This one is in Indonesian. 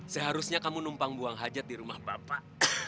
seharusnya kamu numpang buang hajat di rumah bapak